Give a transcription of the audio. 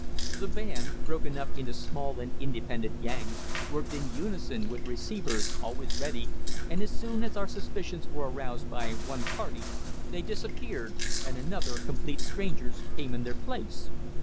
The band, broken up into small and independent gangs, worked in unison with receivers always ready, and as soon as our suspicions were aroused by one party they disappeared, and another, complete strangers, came in their place.